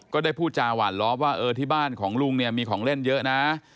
ก็ได้พูดจาหว่านล้อว่าที่บ้านของลุงมีของเล่นเยอะนะ